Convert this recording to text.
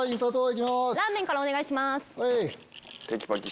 ラーメンからお願いします。